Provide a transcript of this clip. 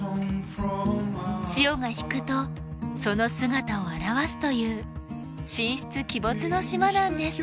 潮が引くとその姿を現すという神出鬼没の島なんです。